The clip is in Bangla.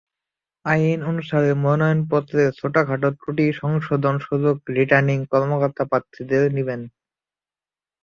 আইন অনুসারে মনোনয়নপত্রের ছোটখাটো ত্রুটি সংশোধনের সুযোগ রিটার্নিং কর্মকর্তা প্রার্থীদের দেবেন।